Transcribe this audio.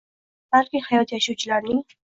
Balki, hayhot, yashovchilarning